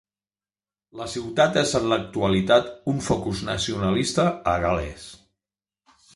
La ciutat és en l'actualitat un focus nacionalista a Gal·les.